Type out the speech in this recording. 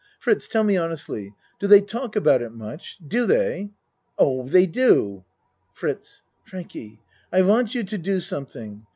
Fritz, tell me honestly. Do they talk about it much? Do they? Oh, they do. FRITZ Frankie, I want you to do something.